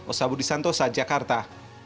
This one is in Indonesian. osabudi santosa jakarta